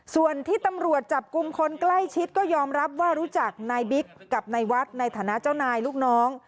ส่วนที่ตำรวจจับกลุ่มคนใกล้ชิดก็ยอมรับว่ารู้จักนายบิ๊กกับนายวัดในฐานะเจ้านายลูกน้อง